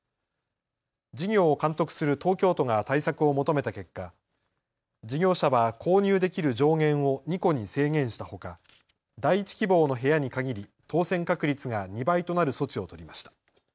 事業を監督する東京都が対策を求めた結果、事業者は購入できる上限を２戸に制限したほか、第１希望の部屋に限り当せん確率が２倍となる措置を取りました。